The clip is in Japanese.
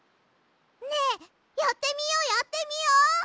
ねえやってみようやってみよう！